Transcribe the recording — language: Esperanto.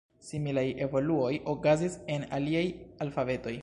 Similaj evoluoj okazis en aliaj alfabetoj.